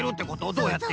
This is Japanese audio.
どうやって？